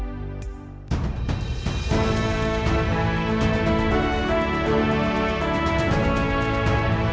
padat hingga kumuh